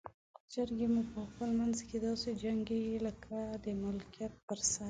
چرګې مو په خپل منځ کې داسې جنګیږي لکه د ملکیت پر سر.